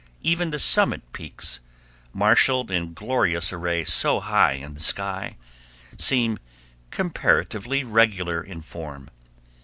Even the summit peaks, marshaled in glorious array so high in the sky, seem comparatively regular in form.